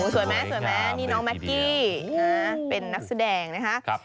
สวยไหมสวยไหมนี่น้องแม็กกี้เป็นนักแสดงนะคะ